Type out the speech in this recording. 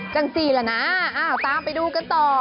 จังซีละนะตามไปดูกันต่อ